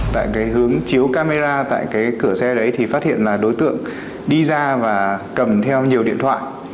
tại cái hướng chiếu camera tại cái cửa xe đấy thì phát hiện là đối tượng đi ra và cầm theo nhiều điện thoại